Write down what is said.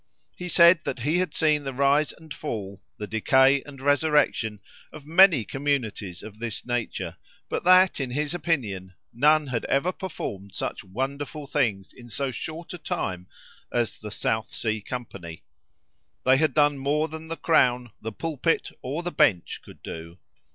He said that he had seen the rise and fall, the decay and resurrection of many communities of this nature, but that, in his opinion, none had ever performed such wonderful things in so short a time as the South Sea company. They had done more than the crown, the pulpit, or the bench could do.